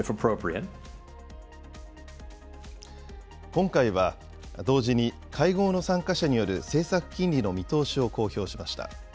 今回は、同時に会合の参加者による政策金利の見通しを公表しました。